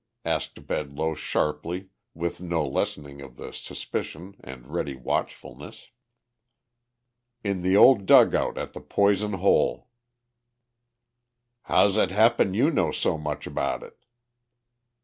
asked Bedloe sharply with no lessening of the suspicion and ready watchfulness. "In the old dugout at the Poison Hole." "How's it happen you know so much about it?"